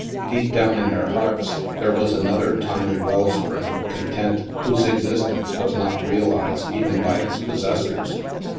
Deep down in their hearts, there was another tiny well spring of content whose existence was not real ized even by its possessors.